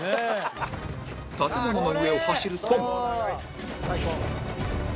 建物の上を走るトム